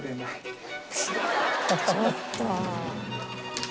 ちょっと！